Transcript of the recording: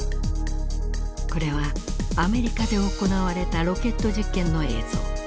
これはアメリカで行われたロケット実験の映像。